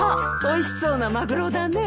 おいしそうなマグロだね。